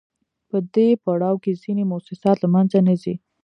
په دې پړاو کې ځینې موسسات له منځه نه ځي